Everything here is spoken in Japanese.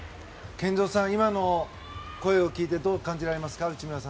健三さん、今の声を聞いてどう感じられますか？